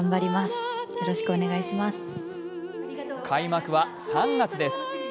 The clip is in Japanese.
開幕は３月です。